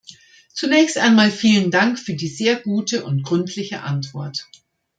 Zunächst einmal vielen Dank für die sehr gute und gründliche Antwort.